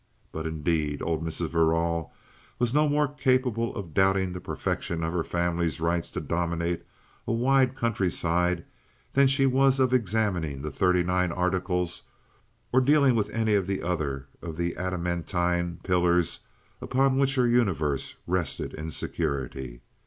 But indeed old Mrs. Verrall was no more capable of doubting the perfection of her family's right to dominate a wide country side, than she was of examining the Thirty nine Articles or dealing with any other of the adamantine pillars upon which her universe rested in security.